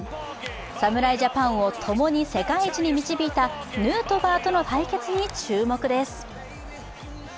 侍ジャパンをともに世界一に導いたヌートバーとの対決に注目です。